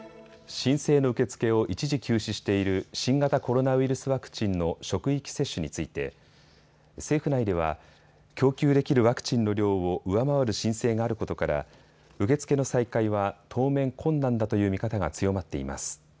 申請の受け付けを一時休止している新型コロナウイルスワクチンの職域接種について政府内では供給できるワクチンの量を上回る申請があることから受け付けの再開は当面困難だという見方が強まっています。